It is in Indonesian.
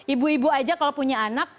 ibu ibu aja kalau punya anak